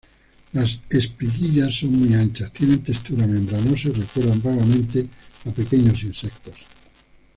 Las espiguillas son muy anchas, tienen textura membranosa y recuerdan vagamente a pequeños insectos.